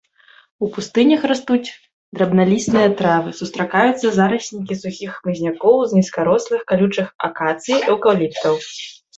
У пустынях растуць драбналістыя травы, сустракаюцца зараснікі сухіх хмызнякоў з нізкарослых калючых акацый, эўкаліптаў.